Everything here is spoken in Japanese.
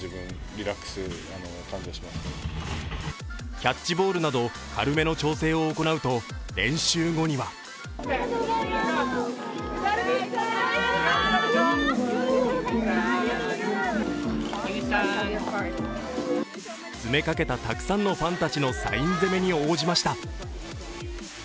キャッチボールなど軽めの調整を行うと練習後には詰めかけたたくさんのファンたちのサイン攻めに応じました。